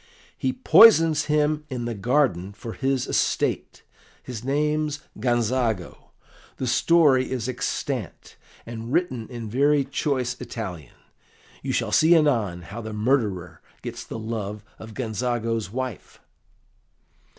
"He poisons him in the garden for his estate. His name's Gonzago. The story is extant, and written in very choice Italian. You shall see anon how the murderer gets the love of Gonzago's wife."